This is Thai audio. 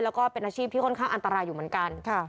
แล้วก็เป็นอาชีพที่ค่อนข้างอันตรายอยู่เหมือนกัน